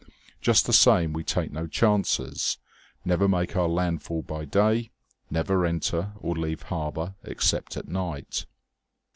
Just the same we take no chances never make our landfall by day, never enter or leave harbour except at night."